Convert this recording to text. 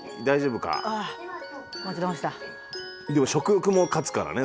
大丈夫か？